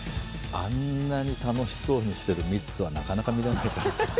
あんなに楽しそうにしてるミッツはなかなか見れないから。